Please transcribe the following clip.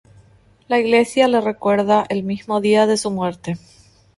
La Iglesia la recuerda el mismo día de su muerte.